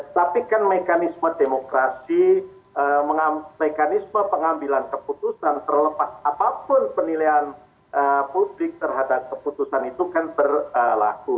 tapi kan mekanisme demokrasi mekanisme pengambilan keputusan terlepas apapun penilaian publik terhadap keputusan itu kan berlaku